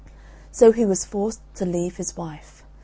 So he was forced to leave his wife.